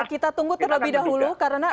kita tunggu terlebih dahulu